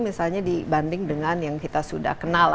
misalnya dibanding dengan yang kita sudah kenal